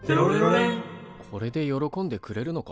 これで喜んでくれるのか？